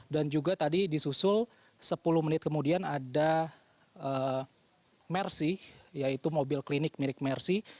dan juga tadi disusul sepuluh menit kemudian ada mercy yaitu mobil klinik mirip mercy